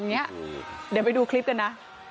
เดี๋ยวไปดูคลิปกันนะ